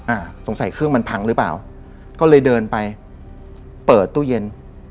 อ่าสงสัยเครื่องมันพังหรือเปล่าก็เลยเดินไปเปิดตู้เย็น